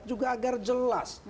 juga agar jelas